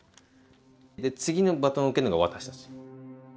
で次のバトンを受けるのが私たち。